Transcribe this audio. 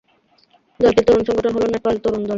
দলটির তরুণ সংগঠন হল নেপাল তরুণ দল।